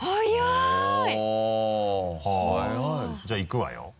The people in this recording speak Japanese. じゃあいくわよ？